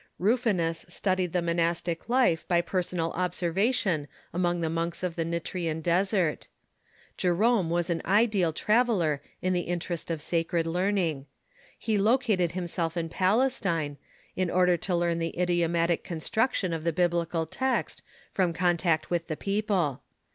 Rufinus studied the monastic life by personal observation among the monks of the Nitrian desert. Jerome was an ideal traveller in the in terest of sacred learning. He located himself in Palestine, in order to learn the idiomatic construction of the Biblical text from contact with the people.